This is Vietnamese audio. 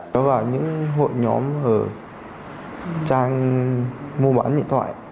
đó là những hội nhóm ở trang mua bán điện thoại